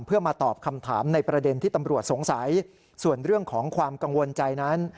เพื่อมาตอบคำถามในประเด็นที่ตำรวจสงสัยส่วนเรื่องของความกังวลใจนั้น